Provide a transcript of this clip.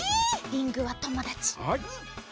リングはともだち。